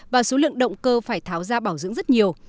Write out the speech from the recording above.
và số lượng động cơ phải tháo ra bảo dưỡng rất nhiều